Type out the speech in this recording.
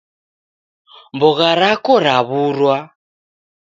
Mbogha rako raw'urwa